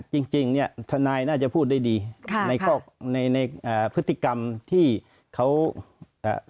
จริงจริงเนี้ยทนายน่าจะพูดได้ดีค่ะในข้อในในอ่าพฤติกรรมที่เขาเอ่อ